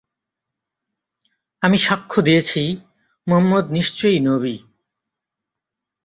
আমি সাক্ষ্য দিয়েছি, মুহাম্মাদ নিশ্চয়ই নবী।